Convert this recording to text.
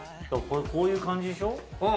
こういう感じでしょ？